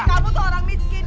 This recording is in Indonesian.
kamu tuh orang miskin